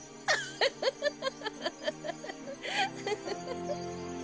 フフフフ。